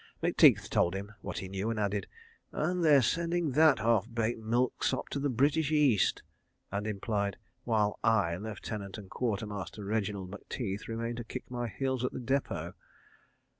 Macteith told him what he knew, and added: "And they're sending that half baked milksop to British East" (and implied: "While I, Lieutenant and Quartermaster Reginald Macteith, remain to kick my heels at the depot.")